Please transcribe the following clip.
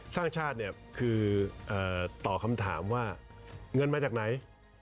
สร้างชาติเนี่ยคือตอบคำถามว่าเงินมาจากไหน